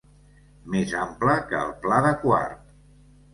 Més ample que el Pla de Quart.